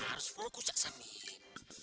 harus fokus ya amin